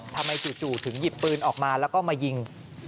จู่ถึงหยิบปืนออกมาแล้วก็มายิง